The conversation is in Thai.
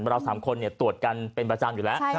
เรา๓คนตรวจกันเป็นประจำอยู่แล้ว